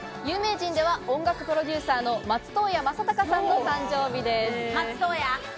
有名人では、音楽プロデューサーの松任谷正隆さんの誕生日です。